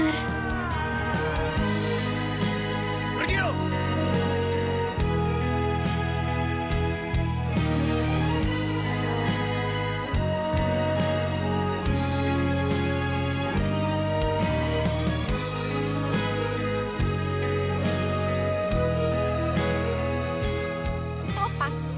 rasanya kak alva kak